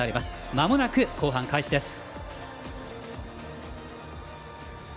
まもなく後半開始です。